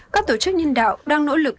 các tổ chức nhân đạo đang đồng ý